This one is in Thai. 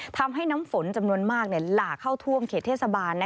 ทำให้น้ำฝนจำนวนมากหลากเข้าท่วมเขตเทศบาล